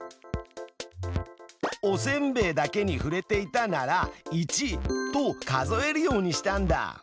おせんべいだけにふれていたなら１と数えるようにしたんだ。